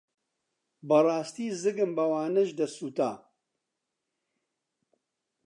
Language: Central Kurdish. بەڕاستی زگم بەوانەش دەسووتا.